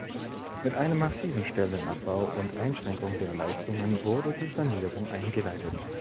Mit einem massiven Stellenabbau und Einschränkung der Leistungen wurde die Sanierung eingeleitet.